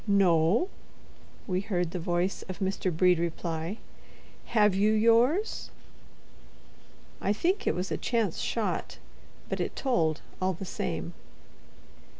"No," we heard the voice of Mr. Brede reply. "Have you yours?" I think it was a chance shot; but it told all the same.